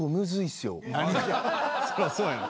そりゃそうやろ。